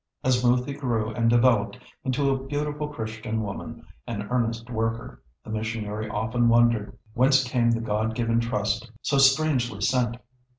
As Moothi grew and developed into a beautiful Christian woman and earnest worker, the missionary often wondered whence came the God given trust so strangely sent.